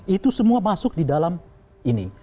itu semua masuk di dalam ini